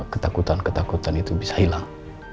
ketakutan ketakutan itu bisa hilang